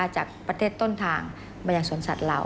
จากประเทศต้นทางมายังสวนสัตว์เรา